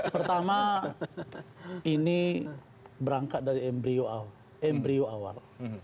pertama ini berangkat dari embryo awal